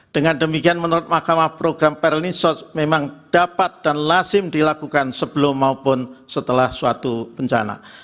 dengan demikian menurut mahkamah program pernisort memang dapat dan lasim dilakukan sebelum maupun setelah suatu bencana